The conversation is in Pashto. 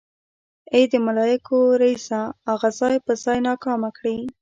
ای د ملايکو ريسه اغه ځای په ځای ناکامه کړې.